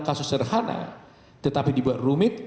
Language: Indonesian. kasus serhana tetapi dibuat rumit